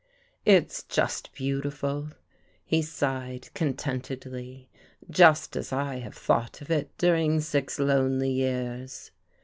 " It's just beautiful," he sighed contentedly, " just as I have thought of it during six lonely years."